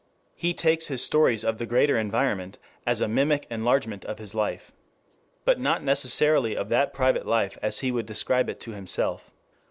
He takes his stories of the greater environment as a mimic enlargement of his private life. But not necessarily of that private life as he would describe it to himself.